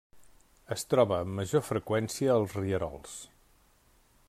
Es troba amb major freqüència als rierols.